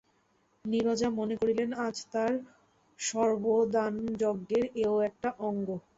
নীরজা মনে করেছিল, আজ তার সর্বদানযঞ্চের এও একটা অঙ্গ।